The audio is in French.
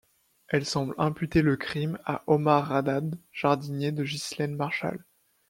Elle semble imputer le crime à Omar Raddad, jardinier de Ghislaine Marchal.